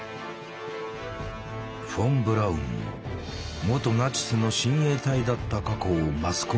フォン・ブラウンも元ナチスの親衛隊だった過去をマスコミに暴かれた。